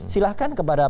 silahkan kepada kpud